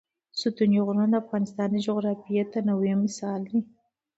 ستوني غرونه د افغانستان د جغرافیوي تنوع مثال دی.